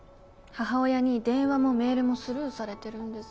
母親に電話もメールもスルーされてるんです。